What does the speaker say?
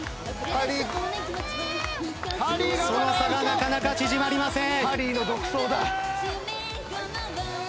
その差がなかなか縮まりません。